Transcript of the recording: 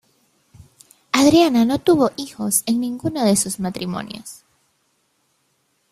Adriana no tuvo hijos en ninguno de sus matrimonios.